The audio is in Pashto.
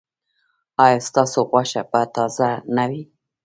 ایا ستاسو غوښه به تازه نه وي؟